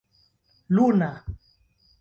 luna